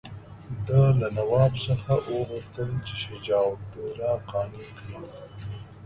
ده له نواب څخه وغوښتل چې شجاع الدوله قانع کړي.